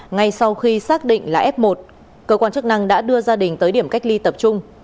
ngay sau khi xác định là f một cơ quan chức năng đã đưa gia đình tới điểm cách ly tập trung